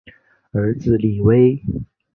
儿子李威。